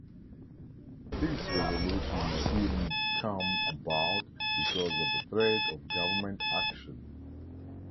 This resolution may even come about because of the threat of government action.